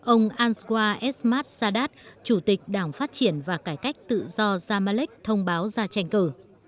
ông answar esmat sadat chủ tịch đảng phát triển và cải cách tự do jamalek thông báo ra tranh cử